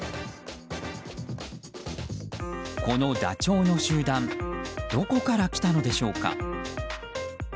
このダチョウの集団どこから来たのでしょうか。